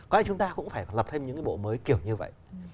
có lẽ chúng ta cũng phải lập thêm những cái bộ mới kiểu như vậy